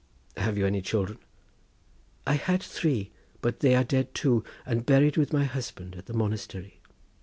"Have you any children?" "I had three, but they are dead too, and buried with my husband at the Monastery."